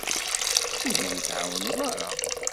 Ur d-iyi-tɛawneḍ ara.